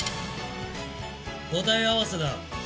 答え合わせだ。